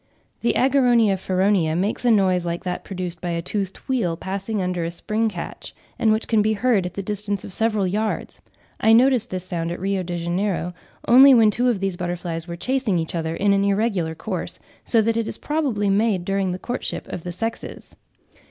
The Ageronia feronia makes a noise like that produced by a toothed wheel passing under a spring catch, and which can be heard at the distance of several yards: I noticed this sound at Rio de Janeiro, only when two of these butterflies were chasing each other in an irregular course, so that it is probably made during the courtship of the sexes.